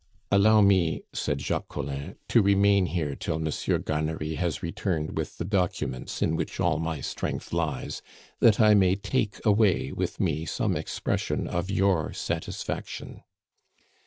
"Allow me," said Jacques Collin, "to remain here till Monsieur Garnery has returned with the documents in which all my strength lies, that I may take away with me some expression of your satisfaction."